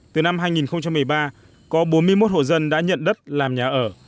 từ năm hai nghìn một mươi ba có bốn mươi một hộ dân đã nhận đất làm nhà ở